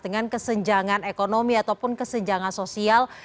dengan kesenjangan ekonomi ataupun kesenjangan sosial